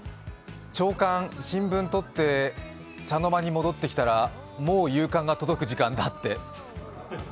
朝刊、新聞とって茶の間に戻ってきたらもう夕刊が届く時間だって。